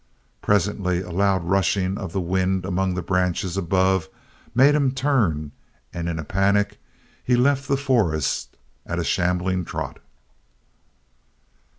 Presently a loud rushing of the wind among the branches above made him turn and in a panic he left the forest at a shambling trot.